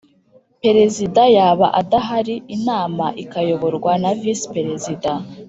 Perezida yaba adahari inama ikayoborwa na Visi Perezida